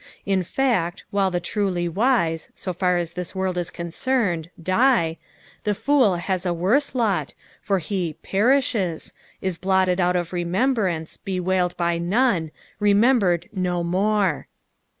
In fact, whila the truly wise, so far as this world is concerned, die, the foot lias a worse lot, for heperiehet, is blotted out of remembrance, bewailed by none, remembered no more.